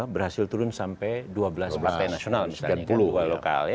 berhasil turun sampai dua belas partai nasional